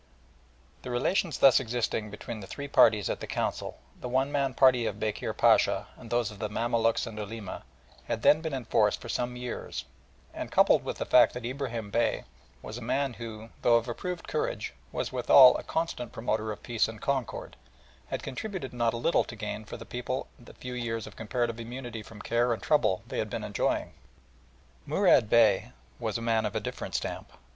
The relations thus existing between the three parties at the Council the one man party of Bekir Pacha, and those of the Mamaluks and Ulema had then been in force for some years, and, coupled with the fact that Ibrahim Bey was a man who, though of approved courage, was withal a constant promoter of peace and concord, had contributed not a little to gain for the people the few years of comparative immunity from care and trouble they had been enjoying. Murad Bey was a man of different stamp.